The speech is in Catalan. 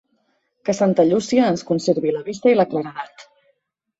Que Santa Llúcia ens conservi la vista i la claredat.